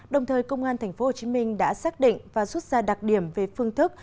đồng thời công an tp hcm đã xác định và rút ra đặc điểm về phương thức